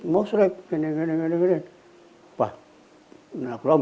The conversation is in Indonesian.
mau tidur begini begini begini begini